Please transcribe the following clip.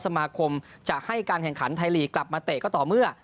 สมาคมจะให้การแข่งขันไทยลีกกลับมาเตะก็ต่อเมื่อ